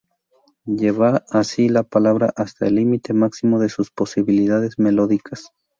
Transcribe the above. Lleva así la palabra hasta el límite máximo de sus posibilidades melódicas.